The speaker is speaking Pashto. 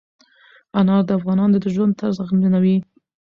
انار د افغانانو د ژوند طرز اغېزمنوي.